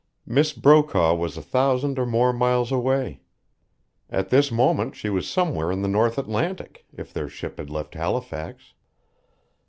Miss Brokaw was a thousand or more miles away. At this moment she was somewhere in the North Atlantic, if their ship had left Halifax.